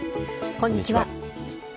こんにちは。